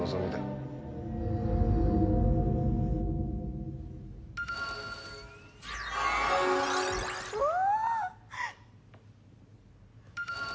うわあ！